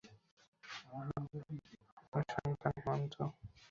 আমার সন্তান হেমন্ত।